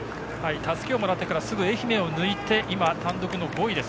たすきをもらってから愛媛を抜いて単独５位です。